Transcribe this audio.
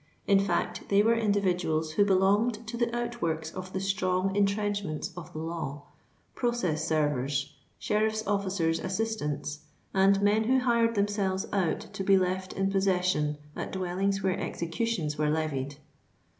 In fact they were individuals who belonged to the outworks of the strong entrenchments of the law,—process servers, sheriff's officers' assistants, and men who hired themselves out to be left in possession at dwellings where executions were levied.